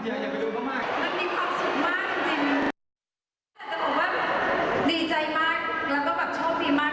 มันมีความสุขมากจริง